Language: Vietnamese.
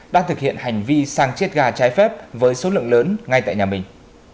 đã thực hiện hành vi sang chiết gà trái phép với số lượng lớn ngay tại nhà mình